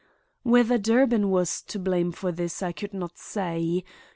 Whether Durbin was to blame for this I could not say.